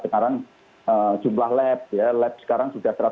dan alat jumlah alat sekarang jumlah lab